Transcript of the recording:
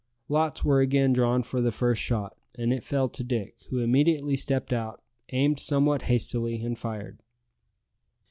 Lots were again drawn for the first shot, and it fell to Dick, who immediately stepped out, aimed somewhat hastily, and fired.